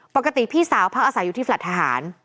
พี่สาวพักอาศัยอยู่ที่แฟลต์ทหาร